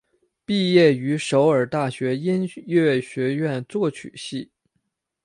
毕业于首尔大学音乐学院作曲系。